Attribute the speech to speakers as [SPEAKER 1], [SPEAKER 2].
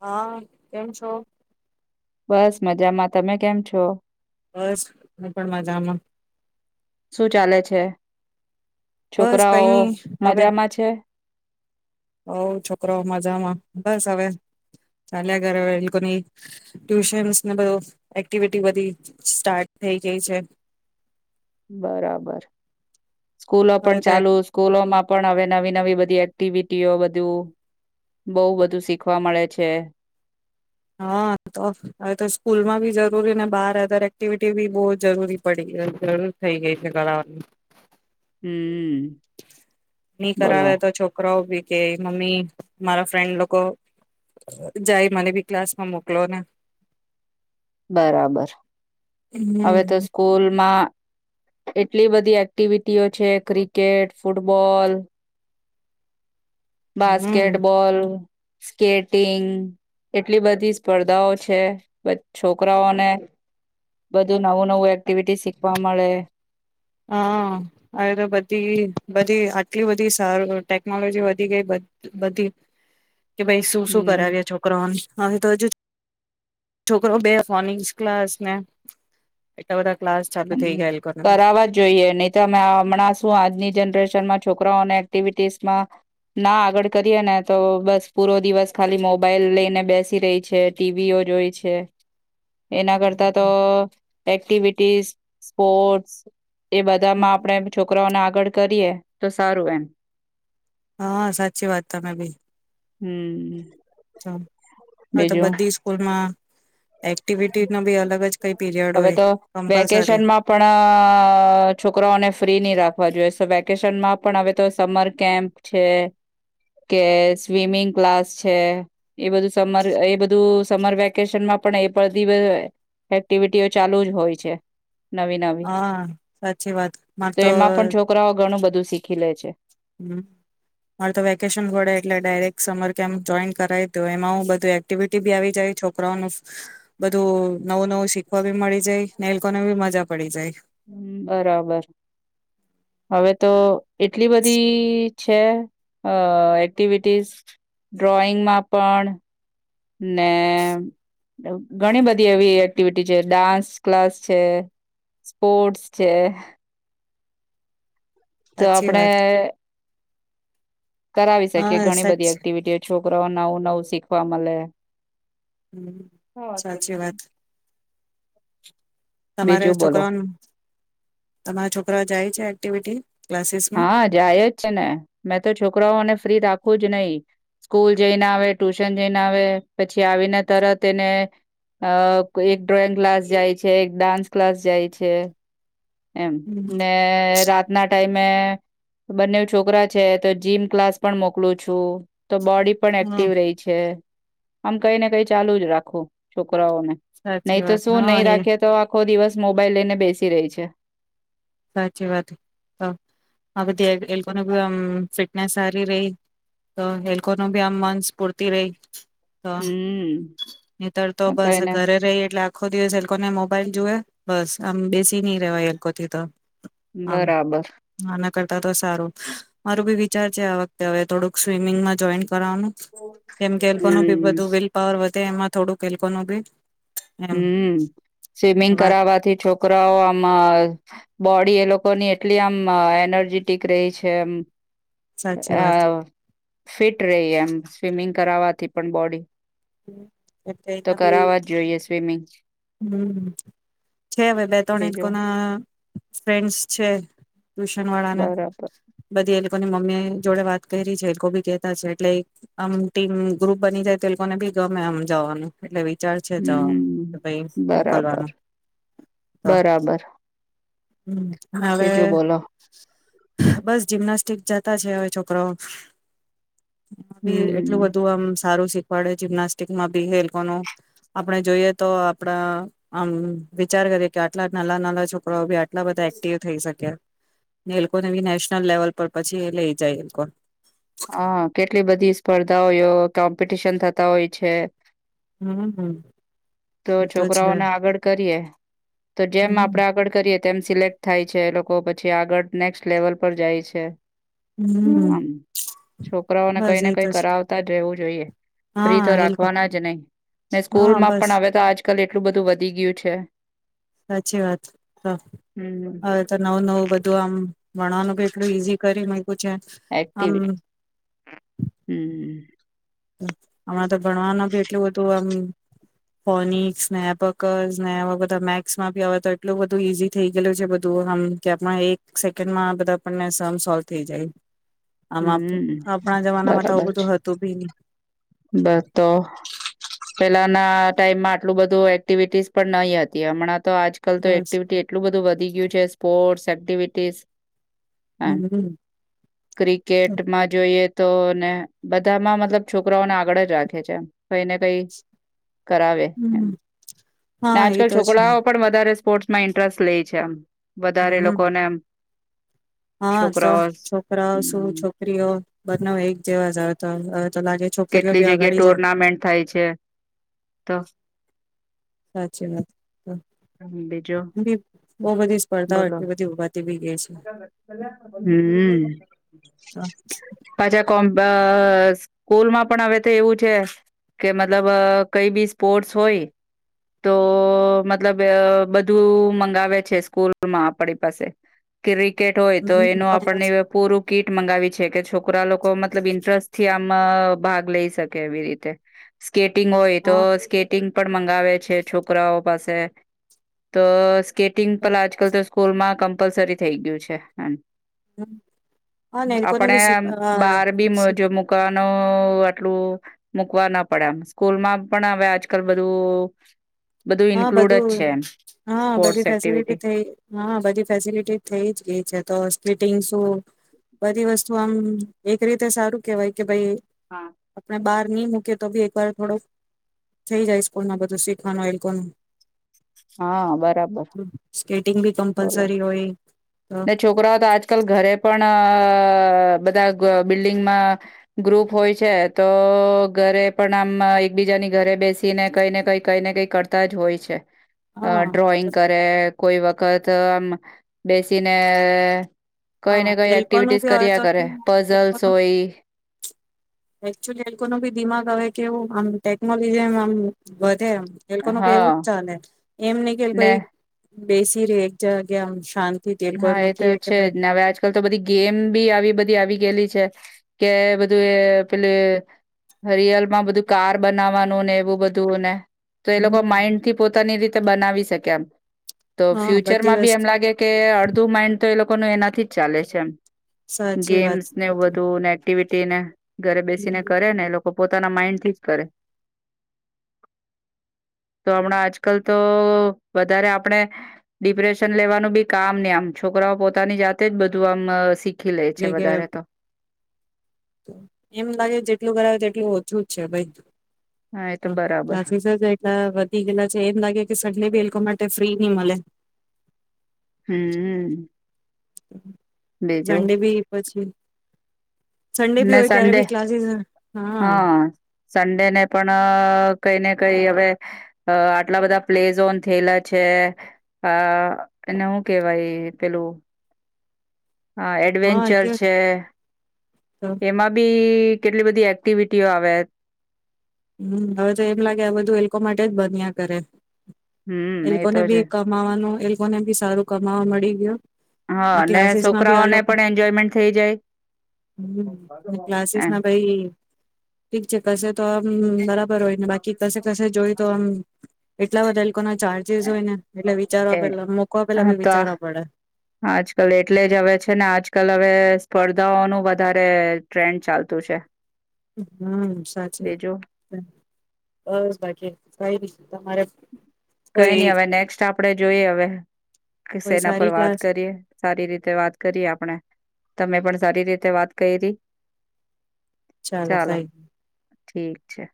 [SPEAKER 1] હા કેમ છો
[SPEAKER 2] બસ મજામાં તમે કેમ છો
[SPEAKER 1] બસ હું પણ મજામાં
[SPEAKER 2] શું ચાલે છે.
[SPEAKER 1] બસ કઈ
[SPEAKER 2] છોકરાઓ
[SPEAKER 1] નઈ હવે
[SPEAKER 2] મજામાં છે
[SPEAKER 1] હોઉ છોકરાઓ મજામાં બસ હવે ચાલ્યા ઘરે અવે એ લોકોની ટ્યુશનસને બધુ એક્ટિવિટી બધી સ્ટાર્ટ થઈ ગઈ છે.
[SPEAKER 2] બરાબર સ્કૂલો
[SPEAKER 1] હવે
[SPEAKER 2] પણ
[SPEAKER 1] તો
[SPEAKER 2] ચાલુ સ્કૂલોમાં પણ હવે નવી નવી બધી એ એક્ટિવિટીઓ બધું બહ બધું શીખવા મળે છે.
[SPEAKER 1] હા તો હવે તો સ્કૂલમાં બી જરૂરી ને બાર ઓધર એક્ટિવિટી બી બહ જરૂરી પડી જરૂર થઈ ગઈ છે કરાવાની
[SPEAKER 2] હમ
[SPEAKER 1] ની
[SPEAKER 2] બોલો
[SPEAKER 1] કરાવે તો છોકરાઓ ભી કે મમ્મી મારા ફ્રેન્ડ લોકો જાય મને બી ક્લાસમાં મોકલો ને
[SPEAKER 2] બરાબર હવે તો
[SPEAKER 1] હમ
[SPEAKER 2] સ્કૂલમાં એટલી બધી એક્ટિવિટીઓ છે ક્રિકેટ ફૂટબોલ
[SPEAKER 1] હમ
[SPEAKER 2] બાસ્કેટબોલ સ્કેટિંગ એટલી બધી સ્પર્ધાઓ છે છોકરાઓને બધું નવું નવું એક્ટિવિટી શીખવા મળે.
[SPEAKER 1] હા હવે તો બધી બધી આટલી બધી સારું ટેકનોલોજી વધી ગઈ બ બધી કે ભાઈ શું શું
[SPEAKER 2] હમ
[SPEAKER 1] કરાવ્યે છોકરાઓને હા એ તો હજુ જ છોકરો બે મોર્નિંગ ક્લાસને એટલા બધા ક્લાસ ચાલુ થઈ
[SPEAKER 2] હમ
[SPEAKER 1] ગયા એ લોકોને બી.
[SPEAKER 2] કરાવા જોઈએ નહી તો મે હમણાં શું આજની જનરેશનમાં છોકરાઓને એક્ટિવિટીસમાં ના આગળ કરીએ ને તો બસ પૂરો દિવસ ખાલી મોબાઈલ લઈને બેસી રહી છે ટીવી ઓ જોઈ છે. એના કરતા તો એક્ટિવિટીઝ સ્પોર્ટસ એ બધામાં આપણેે છોકરાઓને આ આગળ કરીએ તો સારું એમ
[SPEAKER 1] હા સાચી વાત તમેં ભી
[SPEAKER 2] [inaudible]
[SPEAKER 1] [inaudible] હવે તો
[SPEAKER 2] બીજું
[SPEAKER 1] બધી સ્કૂલ માં એક્ટિવિટી નો બી અલગ જ કઈ પીરિયડ
[SPEAKER 2] હવે
[SPEAKER 1] હોય
[SPEAKER 2] તો
[SPEAKER 1] કમ્પલસરી
[SPEAKER 2] વેકેશનમાં પણ છોકરાઓને ફ્રી નહી રાખ જોએ વેકેશનમાં પણ હવે તો સમર કેમ્પ છે કે સ્વિમિંગ ક્લાસ છે એ બધું સમર એ બધું સમર વેકેશનમાં પણ એ એક્ટિવિટીઓ ચાલુ જ હોય છે નવી નવી
[SPEAKER 1] હા સાચી વાત મારે તો
[SPEAKER 2] જોછ
[SPEAKER 1] હ મારે તો વેકેશન ઘડે એટલે ડાયરેક સમર કેમ જોઈન કરાય તો એમાં હ બધું એક્ટિવિટી બી આવી જાય છોકરાઓનું બધું નવું નવું શીખવા બી મળી જાય ને લોકોનેી મજા પડી જાય
[SPEAKER 2] હ બરાબર હવે તો એટલી બધી છે એક્ટિવિટીઝ ડ્રોઈંગમાં પણ [inaudible] ઘણી બધી એવી એક્ટિવિટી છે ડાન્સ ક્લાસ છે સ્પોર્ટ્સ છે તો
[SPEAKER 1] સાચી
[SPEAKER 2] આપણે
[SPEAKER 1] વાત
[SPEAKER 2] કરાવી શકી
[SPEAKER 1] હા
[SPEAKER 2] ઘણી બધી
[SPEAKER 1] સાચી
[SPEAKER 2] એક્ટિવિટીઓો છોકરો નવું નવું શીખવા મળે
[SPEAKER 1] હમ
[SPEAKER 2] હા વાત કરી
[SPEAKER 1] સાચી
[SPEAKER 2] જાણે
[SPEAKER 1] વાત તમારે
[SPEAKER 2] બીજું બોલો
[SPEAKER 1] છોકરાઓનું તમારા છોકરા જાય છે એક્ટિવિટી ક્લાસીસમાં
[SPEAKER 2] હા જાય જ છે ને મેં તો છોકરાઓને ફ્રી રાખ ું જ નહીિ સ્કૂલ જઈને આવે ટ્યુશન જઈને આવે પછી આવીને તરત એને અ એક ડ્રોઈંગ ક્લાસ જાય છે એક ડાન્સ ક્લાસ જાય છે એમ
[SPEAKER 1] હમ
[SPEAKER 2] ને રાતના ટાઈમ બંને છોકરા છે તો જીમ ક્લાસ પણ મોકલું છું તો બોડી પણ
[SPEAKER 1] હા
[SPEAKER 2] એક્ટિવ રહી છે આમ કઈ ને કઈ ચાલુ જ રાખો છોક
[SPEAKER 1] સાચી
[SPEAKER 2] નહી તો
[SPEAKER 1] વાત
[SPEAKER 2] શું
[SPEAKER 1] હા
[SPEAKER 2] નહી
[SPEAKER 1] એ
[SPEAKER 2] રાખે તો આખો દિવસ મોબાઈલ લઈને બેસી રહી છે
[SPEAKER 1] સાચી વાત તો આ બધીી આમ ફિટનેસ સારી રહી તો એ ન ભી આમ મન સ્ફૂર્તિ રહી તો
[SPEAKER 2] હમ
[SPEAKER 1] નીિતળ તો બસ
[SPEAKER 2] કઈને
[SPEAKER 1] ઘરે રહી એટલે આખો દિવસ એ લોકોને મોબાઈલ જુવે બસ આમ બેસી નહી રવાય એ લોકોકોથી તો
[SPEAKER 2] બરાબર
[SPEAKER 1] માર બી વિચાર છે આ વખતે હવે થોડું સ્વિમિંગ જો કરવાનું કેમ કે કોનું બી
[SPEAKER 2] હમ
[SPEAKER 1] બધું વિલ પાવર તે એમાં થોડું એ લોકોનું બી એમ
[SPEAKER 2] હમ સ્વિમિંગ
[SPEAKER 1] વાત
[SPEAKER 2] કરાવવાથી છોકરાઓ આમ બોડી એ લોકોની એટલી આમ એનર્જેટિક રહે છે એમ
[SPEAKER 1] સાચી
[SPEAKER 2] આ
[SPEAKER 1] વાત
[SPEAKER 2] આ ફિટ રહી એમ સ્વિમિંગ કરાવવાથી પણ બોડી
[SPEAKER 1] [unintelligible]
[SPEAKER 2] તો
[SPEAKER 1] એના ભી
[SPEAKER 2] કરાવવા જ જોઈએ સ્વિમિંગ
[SPEAKER 1] હમ છે હવે બે ત્રણ એ
[SPEAKER 2] બીજું
[SPEAKER 1] લોકોના ફ્રેન્ડસ છે ટ્યુશન વાળા ને
[SPEAKER 2] બરાબર
[SPEAKER 1] બધી લોકો મમ્મી જોડે વાત કરી છે એ લોકો બી કેતા છે એટલે આમ ટીમ ગ્રુપ બની જાય તો ને બી ગમે આમ જવાનું એટલે વિચાર છે તો
[SPEAKER 2] હમ
[SPEAKER 1] કે ભાઈ મોકલવાનું
[SPEAKER 2] બરાબર
[SPEAKER 1] તો
[SPEAKER 2] બરાબર
[SPEAKER 1] હમ હવે
[SPEAKER 2] બીજું બોલો
[SPEAKER 1] બસ જીમનાસ્ટિકમાં જતા છે હવે છોકરા હે એટલું
[SPEAKER 2] હમ
[SPEAKER 1] બધું આમ સારું શે પડે જીમનાસ્ટિકમાં બી એ લોકોનું આપણે જોઈએ તો આપડા આમ વિચાર કરીએ કે આટલા નાના નાના છોકરાઓ બી આટલા બધા એક્ટિવ થઈ શક્યા એ લોકોને બી નેશનલ લેવલ પર પછી લઈ જાય એ
[SPEAKER 2] હા કેટલી બધી સ્પર્ધાઓઓ કોમ્પિટિશન થતા હોય છે
[SPEAKER 1] હમ્મ
[SPEAKER 2] તો
[SPEAKER 1] એ છે
[SPEAKER 2] છોકરાઓને આગળ કરીએ તો જેમ
[SPEAKER 1] હમ
[SPEAKER 2] આપડે આગળ કરીએ તેમ સિલેક્ટ થાય છે એ લોકો પછી આગળ નેક્સ્ટ લેવલ પર જાય છે
[SPEAKER 1] હમ
[SPEAKER 2] આમ છોકરાઓને
[SPEAKER 1] બસ
[SPEAKER 2] કઈને
[SPEAKER 1] એ તો
[SPEAKER 2] કઈ
[SPEAKER 1] છે
[SPEAKER 2] કરાવતા જ રહેવું જોઈએ ફ્રી તો
[SPEAKER 1] હા એ લોકો
[SPEAKER 2] રાખવાના જ નહી ને સ્કૂલ
[SPEAKER 1] હા
[SPEAKER 2] માં
[SPEAKER 1] બસ
[SPEAKER 2] પણ હવે તો આજ આકાલ એટલું બધું વધી ગયું છે
[SPEAKER 1] સાચી વાત તો
[SPEAKER 2] હમ
[SPEAKER 1] હવે તો નવું નવું બધું આમ ભણવાનું બી એટલું ઈઝી કરી છે આમ
[SPEAKER 2] એક્ટિવિટી હમ
[SPEAKER 1] [unintelligible] ભણવાનું બી એટલું બધું આમ ફનિકસને એપકસ ને એવા બધાં મેક્સમાં બી હવેતો એટલું બધું ઈઝી થઈ ગેલું છે બધું આમ કે એપમાં એક સેકન્ડમાં બધાં આપણને સોલ થઈ જાય. આમ
[SPEAKER 2] હમ
[SPEAKER 1] આપણા જમાનામાં તો આવું બધું હતું બી નહી.
[SPEAKER 2] બસ તો પેલાના ટાઈમમાં આટલું બધું એક્ટિવિટીસ પણ નહી હતી હમણાં તો આજકલતો
[SPEAKER 1] બસ
[SPEAKER 2] એક્ટિવિટી એટલું બધું વધી ગયું છે સ્પોર્ટ્સ એક્ટિવિટીસ. પાન
[SPEAKER 1] હમ
[SPEAKER 2] ક્રિકેટમાં જોઈએ તોને બધામાં મતલબ છો છોકરાઓને આગળ જ રાખે છે એમ. કઈને કઈ કરાવે એમ
[SPEAKER 1] હમ
[SPEAKER 2] ને
[SPEAKER 1] હા એ
[SPEAKER 2] આજકાલ
[SPEAKER 1] તો છે
[SPEAKER 2] છોકરાઓ પણ વધારે સ્પોર્ટ્માં ઇન્ટરેસ્ટ લે છે આમ. વધારે
[SPEAKER 1] હમ
[SPEAKER 2] લોકોને આમ.
[SPEAKER 1] હા, તો છોકરાઓ શું
[SPEAKER 2] હમ
[SPEAKER 1] છોકરીઓ બંનેવ એક જેવા જ અવેતો અવે
[SPEAKER 2] કેટલી જગ્યા ટુર્નામેન્ટ થાય છે તો
[SPEAKER 1] સાચી વાત
[SPEAKER 2] બીજું
[SPEAKER 1] [unintelligible] બો બધી સ્પર્ધાઓ
[SPEAKER 2] બોલો
[SPEAKER 1] એટલી બધી ઉભાતી બી. ગઈ
[SPEAKER 2] હમ,
[SPEAKER 1] છે
[SPEAKER 2] [inaudible] પાછા કોમબા અ સ્કૂલમાં પણ હવે તો એવું છે કે મતલબ કઈ બી સ્પોર્ટસ હોય તો મતલબ બધું મંગાવે છે સ્કૂલમાં આપણી પાસે. કિરેય. કેટ હોય તો
[SPEAKER 1] હમ
[SPEAKER 2] એનું
[SPEAKER 1] કમ્પલ
[SPEAKER 2] આપણને પૂરું કીટ મંગાવી છે કે છોકરા લોકો મતલબ ઇન્ટરસ્ટ થી આમા ભાગ લઈ શકે એવી રીતે. સ્કેટિંગ હોય તો
[SPEAKER 1] હા
[SPEAKER 2] સ્કેટિંગ પણ મંગાવે છે છોકરાઓ પાસે તો સ્કેટિંગ પણ આજકલ તો સ્કૂલમાં કંપલસરી થેય ગયું છે અન
[SPEAKER 1] હા ને એ
[SPEAKER 2] [inaudible]
[SPEAKER 1] લોકોને
[SPEAKER 2] આપડે
[SPEAKER 1] બી શીખ
[SPEAKER 2] આમ
[SPEAKER 1] અ
[SPEAKER 2] બારબી
[SPEAKER 1] શીખ
[SPEAKER 2] જો મૂકવાનું નો આટલું મૂકવા ના પાડે આમ સ્કૂલમાં પણ હવે આજકાલ બધું બધું
[SPEAKER 1] હ
[SPEAKER 2] ઇન્ક્લુડ જ
[SPEAKER 1] બધું
[SPEAKER 2] છે એમ
[SPEAKER 1] હા બધી
[SPEAKER 2] સ્પોર્ટ્સ
[SPEAKER 1] ફેસિલટી
[SPEAKER 2] એક્ટિવિટી
[SPEAKER 1] થઈ હ બધી ફેસલટી થઈ જ ગઈ છે તો સ્ટિંગ શું બધી વસ્તુ આમ એક રીતે સારું કેવાય. કે ભઈ આપણે બાર ની મૂકે તોબી એક વાર થોડુંક થઈ જાય સ્કૂલમાં બધું શીખવાનું કોનું.
[SPEAKER 2] હા, બરાબર.
[SPEAKER 1] િંગ ભી
[SPEAKER 2] બોલો
[SPEAKER 1] કમ્પલસરી હોય તો
[SPEAKER 2] ને છોકરાઓ તો આજકાલ ઘરે પણ અ બધા બિલ્ડિંગમાં ગ્રુપ હોય છે તો ઘરે પણ આમ એકબીજાની ઘરે બેસીને કઈ ને કઈ કઈ ને કઈ કરતા જ હોય છે અ
[SPEAKER 1] હા
[SPEAKER 2] ડ્રોઈંગ કરે કોઈ વક્ત તો આ બે તેને
[SPEAKER 1] હા એ લોકોનુ ભી હવે તો
[SPEAKER 2] પઝલ્સ
[SPEAKER 1] [unintelligible]
[SPEAKER 2] હોય
[SPEAKER 1] એકચુલી એ લોકોનુ બી દિમાગ હવે કેવું આમ ટેકનોલોજી એમ કે એ લોકોનુ એવું
[SPEAKER 2] હા
[SPEAKER 1] જ ચાલે એમ નહી કે
[SPEAKER 2] ને
[SPEAKER 1] બેસી રેય એક જગ્યામ શાંત
[SPEAKER 2] હા એ તો છે જ ને અવે આજ આજ કાલ તો બધી ગેમ બી આવી બધી આવી ગયલી છે કે બધું એ પેલી રિયલમાં બધું કાર બનાવાનું ને એવું બધું ને તો એ લોકો
[SPEAKER 1] હમ
[SPEAKER 2] માઇન્ડથી પોતાની રીત તે બનાવી શકે એમ તો
[SPEAKER 1] હા બધી
[SPEAKER 2] ફ્યુચરમાં બી
[SPEAKER 1] વસ્તુ
[SPEAKER 2] એમ લાગે કે મેન તો એ લોકોને એનાથી જ ચાલે છે એમ
[SPEAKER 1] સાચી વાત
[SPEAKER 2] ગેમ્સને બધું એકટીવિટીને ઘરે બેસીને કરે ને એ લોકો પોતાના માઈન્ડથી જ કરે તો હમણા આજકાલ તો વધારે આપણે ડિપ્રેશન લેવાનું બી કામ ની છોકરાઓ પોતાની જાતે જ બધું આમ સી ખી લે છે
[SPEAKER 1] કે
[SPEAKER 2] વધારે તો
[SPEAKER 1] એમ લાગે જેટલું કરાવે તેટલું ઓછું જ છે
[SPEAKER 2] હા એ તો
[SPEAKER 1] ભાઈ
[SPEAKER 2] બરાબર
[SPEAKER 1] [unintelligible] એટલા વધી ગેલા છે એમ લાગે કે સગલી બી એ લોકો માટે ફ્રીની મલે
[SPEAKER 2] હમ
[SPEAKER 1] [inaudible]
[SPEAKER 2] બીજું
[SPEAKER 1] સંડે ભી પછી સંન્ડે ભી
[SPEAKER 2] ને
[SPEAKER 1] હોય ત્યારે
[SPEAKER 2] સન્ડે
[SPEAKER 1] બી ક્લાસીસ હા
[SPEAKER 2] સન્ડે ને પણ કઈ ને કઈ હવે આટલા બધા પ્લેઝ ઓન થયેલા છે આ એને શું કેવાય પેલું હ
[SPEAKER 1] હા
[SPEAKER 2] એડવેન્ચર
[SPEAKER 1] કે
[SPEAKER 2] છે
[SPEAKER 1] તો
[SPEAKER 2] એમાં બી કે કેટલી બધી એક્ટિવિટીઓ આવે
[SPEAKER 1] હમ હવે તો એમ લાગે આ બધું એ લોકો માટે જ બન્યા કરે
[SPEAKER 2] હમ
[SPEAKER 1] એ લોકોને
[SPEAKER 2] તો છે
[SPEAKER 1] બી કમાવાનું એ લોકોને બી સારું કમાવા મળી ગયુ
[SPEAKER 2] હા
[SPEAKER 1] ને
[SPEAKER 2] અને
[SPEAKER 1] ક્લાસીસમાં બી આ
[SPEAKER 2] છોકરાઓને
[SPEAKER 1] લોકો
[SPEAKER 2] પણ એન્જોયમેન્ટ થઈ જાય
[SPEAKER 1] હમ
[SPEAKER 2] એમ
[SPEAKER 1] ક્લાસીસમાં ભાઈ ઠીક છે કશે તો હમમ બરાબ ર હોય ને બાકી કશે કશે જોઈ તો આમ એટલા બધા લોકોના ચાર્જસ હોય ને એટલે
[SPEAKER 2] એ
[SPEAKER 1] વિચારવા પેલા મૂકવા પેલા
[SPEAKER 2] હા
[SPEAKER 1] બી
[SPEAKER 2] તો
[SPEAKER 1] વિચારવા પડે
[SPEAKER 2] આજકાલ એટલે જ હવે છે ને આજકાલ હવે સ્પર્ધાઓનું વધારે ટ્રેન્ડ ચાલતું છે.
[SPEAKER 1] હમ સાચું
[SPEAKER 2] બીજું
[SPEAKER 1] બસ. બાકી કાય નહી તમારે.
[SPEAKER 2] કઈ
[SPEAKER 1] કોઈ
[SPEAKER 2] નહી હવે નેક્સ્ટ આપણેે જોઈએ. હવે કે
[SPEAKER 1] કોઈ
[SPEAKER 2] સેના પર
[SPEAKER 1] સારી
[SPEAKER 2] વાત
[SPEAKER 1] ક્લાસ
[SPEAKER 2] કરીએ સારી રીતે વાત કરીએ આપણે. તમે પણ સારી રીતે વાત કૈરી.
[SPEAKER 1] ચાલો કાય.
[SPEAKER 2] ઠીક છે.